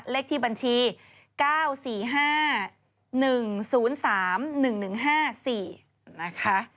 เลขที่บัญชี๙๔๕๑๐๓๑๑๕๔นะคะ